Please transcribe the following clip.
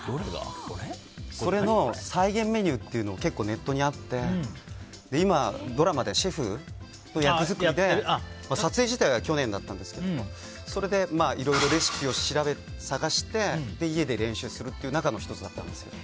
それの再現メニューというのがネットにあって今、ドラマでシェフの役作りで撮影自体は去年だったんですがそれでいろいろレシピを探して家で練習するという中の１つだったんですよ。